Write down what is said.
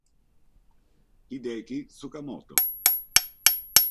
Hideki Tsukamoto